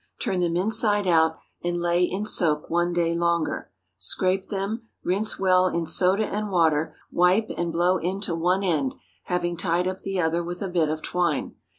Turn them inside out, and lay in soak one day longer. Scrape them, rinse well in soda and water, wipe, and blow into one end, having tied up the other with a bit of twine.